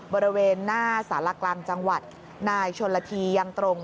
บริเวณหน้าสารกลางจังหวัดนายชนละทียังตรง